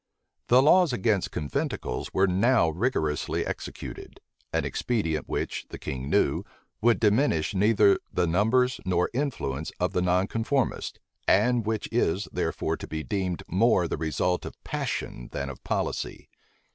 The laws against conventicles were now rigorously executed; an expedient which, the king knew, would diminish neither the numbers nor influence of the nonconformists; and which is therefore to be deemed more the result of passion than of policy.